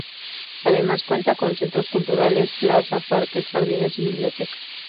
Además cuenta con centros culturales, plaza, parques, jardines y biblioteca.